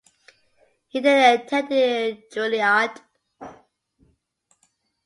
He then attended Juilliard.